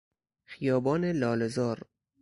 خیابان لالهزار